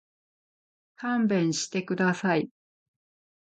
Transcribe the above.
勘弁してください。